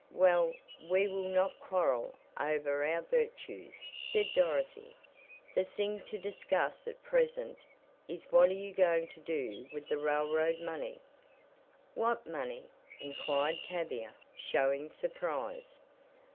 "Well, we will not quarrel over our virtues," said Dorothy, "the thing to discuss at present is what are you going to do with the railroad money?" "What money?" inquired Tavia, showing surprise.